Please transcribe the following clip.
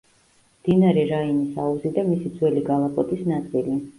მდინარე რაინის აუზი და მისი ძველი კალაპოტის ნაწილი.